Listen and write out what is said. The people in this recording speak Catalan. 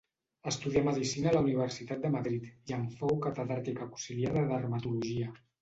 Estudià medicina a la Universitat de Madrid i en fou catedràtic auxiliar de dermatologia.